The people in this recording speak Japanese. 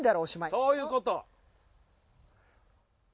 そういうこと。